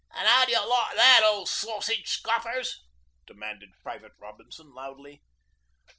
'An' 'ow d'you like that, ol' sossidge scoffers?' demanded Private Robinson loudly.